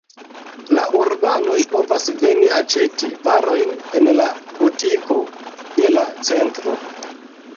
La urbanoj povas veni aĉeti varojn en la butiko de la centro.